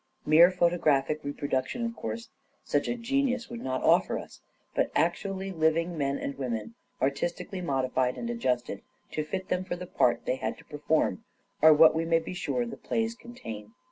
Mere photographic reproduction, of course, such a genius would not offer us ; but actually living men and women, artistically modified and adjusted to fit them for the part they had to perform, are what we may be sure the plays contain.